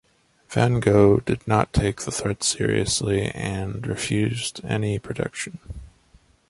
Van Gogh did not take the threats seriously and refused any protection.